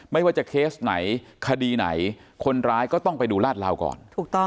ไม่ว่าจะเคสไหนคดีไหนคนร้ายก็ต้องไปดูลาดลาวก่อนถูกต้อง